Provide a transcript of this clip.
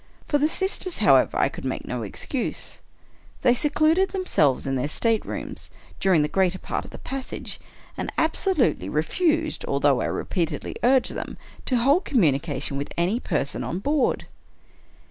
For the sisters, however, I could make no excuse. They secluded themselves in their staterooms during the greater part of the passage, and absolutely refused, although I repeatedly urged them, to hold communication with any person on board.